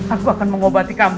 aku akan mengobati kamu